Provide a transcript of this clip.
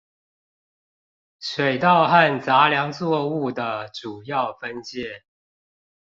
水稻和雜糧作物的主要分界